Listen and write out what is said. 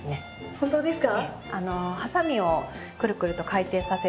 本当ですか？